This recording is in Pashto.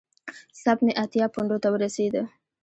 سپ مې اتیا پونډو ته ورسېده.